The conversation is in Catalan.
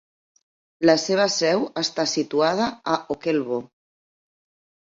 La seva seu està situada a Ockelbo.